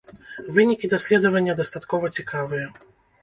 Вынікі даследавання дастаткова цікавыя.